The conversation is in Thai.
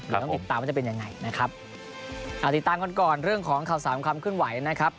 เดี๋ยวต้องติดตามว่าจะเป็นยังไงนะครับอ่าติดตามกันก่อนเรื่องของข่าวสามความเคลื่อนไหวนะครับ